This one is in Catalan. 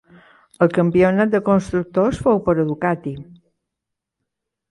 El campionat de constructors fou per a Ducati.